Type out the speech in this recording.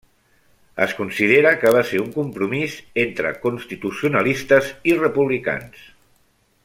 Es considera que va ser un compromís entre constitucionalistes i republicans.